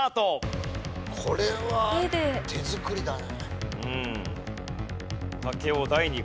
これは手作りだね。